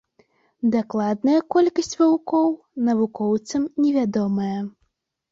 Дакладная колькасць ваўкоў навукоўцам невядомая.